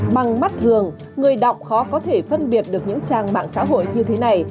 bằng mắt thường người đọc khó có thể phân biệt được những trang mạng xã hội như thế này